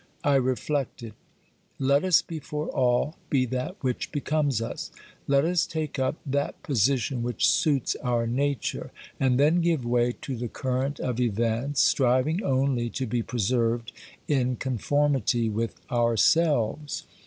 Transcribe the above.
I reflected : Let us before all be that which becomes us ; let us take up that position which suits our nature, and then give way to the current of events, striving only to be preserved in conformity with ourselves.